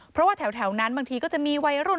เพราะว่าแถวนั้นบางทีก็จะมีวัยรุ่น